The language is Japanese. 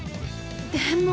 でも。